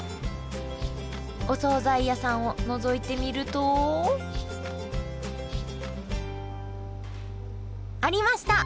お総菜屋さんをのぞいてみると。ありました！